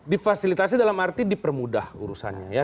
difasilitasi dalam arti dipermudah urusannya ya